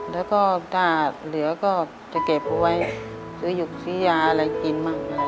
แล้วก็ถ้าเหลือก็จะเก็บเอาไว้ซื้อหยกซื้อยาอะไรกินบ้างอะไร